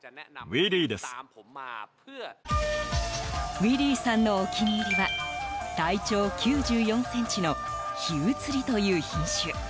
ウィリーさんのお気に入りは体長９４ｃｍの緋写りという品種。